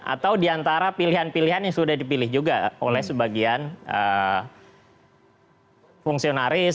atau diantara pilihan pilihan yang sudah dipilih juga oleh sebagian fungsionaris